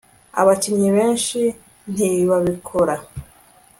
Abakinnyi benshi ntibabikora –